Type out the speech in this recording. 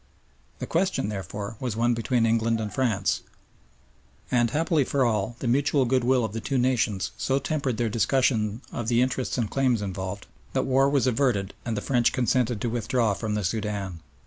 The question, therefore, was one between England and France; and, happily for all, the mutual goodwill of the two nations so tempered their discussion of the interests and claims involved, that war was averted and the French consented to withdraw from the Soudan.